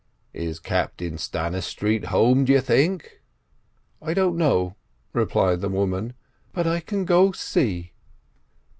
"Is Captain Stannistreet home, think you?" "I don't know," replied the woman; "but I can go see."